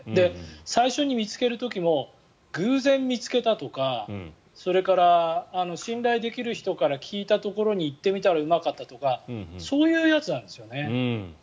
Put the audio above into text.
最初に見つける時も偶然見つけたとかそれから、信頼できる人から聞いたところに行ってみたらうまかったとかそういうやつなんですよね。